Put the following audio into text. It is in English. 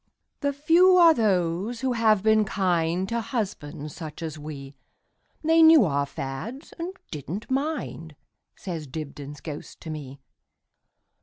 The few are those who have been kindTo husbands such as we; They knew our fads, and did n't mind,"Says Dibdin's ghost to me.